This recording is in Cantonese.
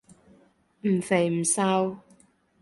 唔肥唔瘦